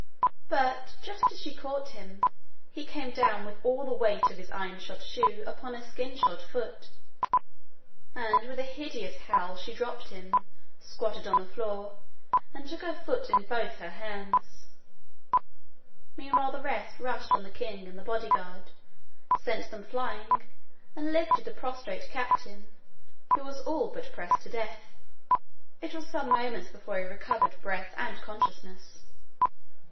But just as she caught him, he came down with all the weight of his iron shod shoe upon her skin shod foot, and with a hideous howl she dropped him, squatted on the floor, and took her foot in both her hands. Meanwhile the rest rushed on the king and the bodyguard, sent them flying, and lifted the prostrate captain, who was all but pressed to death. It was some moments before he recovered breath and consciousness.